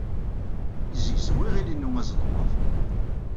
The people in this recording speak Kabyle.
Yezzegzew yiɣil-inu azelmaḍ.